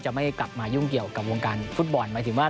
จะไม่กลับมายุ่งเกี่ยวกับวงการฟุตบอล